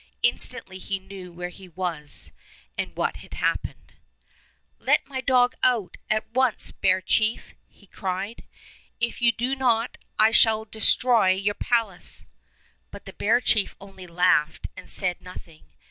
Instantly he knew where he was and what had happened. ''Let my dog out at once, bear chief!" he cried. "If you do not, I shall destroy your palace." But the bear chief only laughed and said nothing.